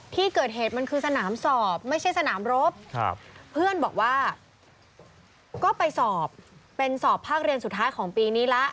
ที่เกิดเหตุมันคือสนามสอบไม่ใช่สนามรบเพื่อนบอกว่าก็ไปสอบเป็นสอบภาคเรียนสุดท้ายของปีนี้ละ